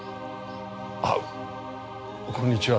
あこんにちは。